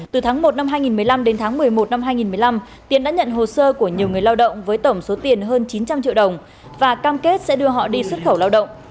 từ tháng một năm hai nghìn một mươi năm đến tháng một mươi một năm hai nghìn một mươi năm tiến đã nhận hồ sơ của nhiều người lao động với tổng số tiền hơn chín trăm linh triệu đồng và cam kết sẽ đưa họ đi xuất khẩu lao động